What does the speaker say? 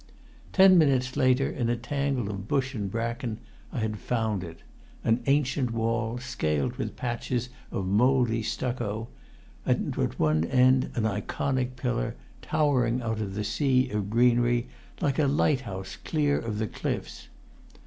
Ten minutes later, in a tangle of bush and bracken, I had found it: an ancient wall, scaled with patches of mouldy stucco, and at one end an Ionic pillar towering out of the sea of greenery like a lighthouse clear of the cliffs.